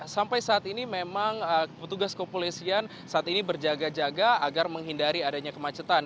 sampai saat ini memang petugas kopolisian saat ini berjaga jaga agar menghindari adanya kemacetan